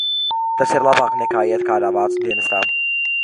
Tas ir labāk, nekā iet kādā vācu dienestā.